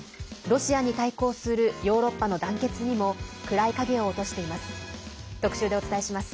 ロシアに対抗するヨーロッパの団結にも暗い影を落としています。